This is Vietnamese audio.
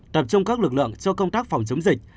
tập trung các lực lượng cho công tác phòng chống dịch